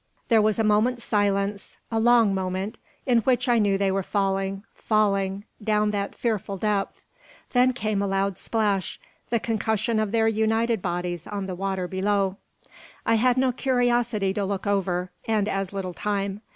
There was a moment's silence, a long moment, in which I knew they were falling falling down that fearful depth. Then came a loud splash, the concussion of their united bodies on the water below! I had no curiosity to look over, and as little time.